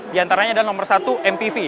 di antaranya adalah nomor satu mpv